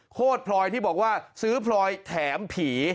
โคตรพลอยที่บอกว่าซื้อพลอยแถมผี